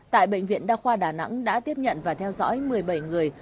tại bệnh viện đa khoa đà nẵng đã tiếp nhận và theo dõi một mươi bảy người